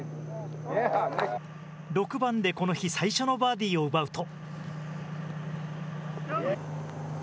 ６番でこの日最初のバーディーを奪うと。